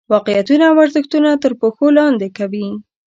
واقعیتونه او ارزښتونه تر پښو لاندې کوي.